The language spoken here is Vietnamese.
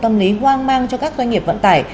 và tạo một tâm lý hoang mang cho các doanh nghiệp vận tải